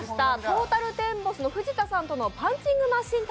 トータルテンボスの藤田さんとのパンチングマシーン